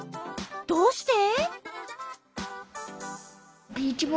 どうして？